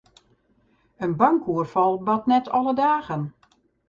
In bankoerfal bart net alle dagen.